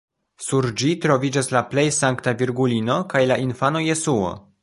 Sur ĝi troviĝas la plej Sankta Virgulino kaj la infano Jesuo.